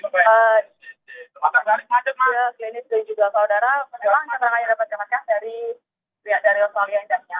ya klinis dan juga saudara menjelang perkerangan yang dapatkan dari dari rosalia